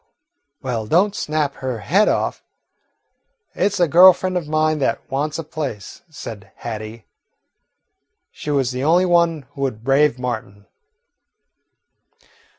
"Well, don't snap her head off. It 's a girl friend of mine that wants a place," said Hattie. She was the only one who would brave Martin.